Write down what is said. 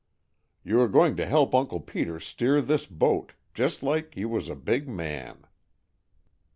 You are going to help Uncle Peter steer this boat, just like you was a big man."